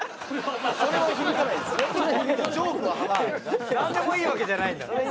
何でもいいわけじゃないんだ。